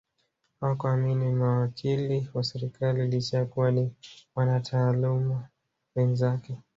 Hakuwaamini mawakili wa serikali licha ya kuwa ni wanataaluma wenzake